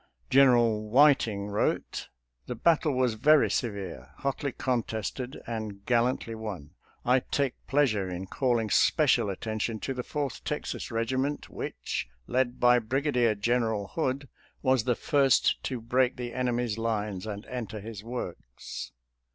General Whiting wrote :" The battle was very severe, hotly contested, and gallantly won. I take pleasure in calling special attention to the Fourth Texas regiment, which, led by Briga dier General Hood, was the first to break the enemy's lines and enter his works."